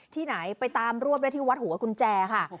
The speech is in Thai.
ที่ไหนไปตามรวบได้ที่วัดหัวกุญแจค่ะ